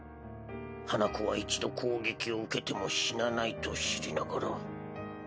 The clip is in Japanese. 花子は一度攻撃を受けても死なないと知りながら。